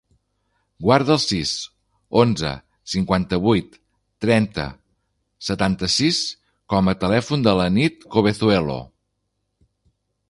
Guarda el sis, onze, cinquanta-vuit, trenta, setanta-sis com a telèfon de la Nit Cabezuelo.